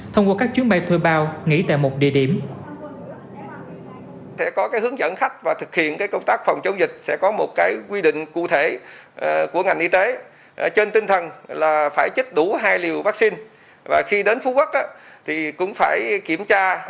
thông qua các chuyến bay thuê bào nghỉ tại một địa điểm